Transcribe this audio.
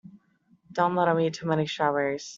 Don't let him eat too many strawberries.